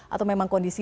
atau memang kondisi